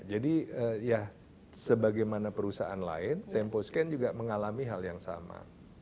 jadi ya sebagaimana perusahaan lain temposcan juga mengalami hal yang sama